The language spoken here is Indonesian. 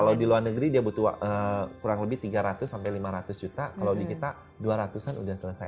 kalau di luar negeri dia butuh kurang lebih tiga ratus sampai lima ratus juta kalau di kita dua ratus an sudah selesai